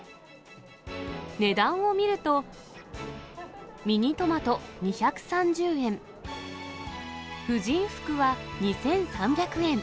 値段を見ると、ミニトマト２３０円、婦人服は２３００円。